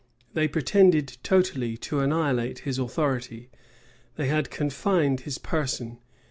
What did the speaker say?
They pretended totally to annihilate his authority: they had confined his person.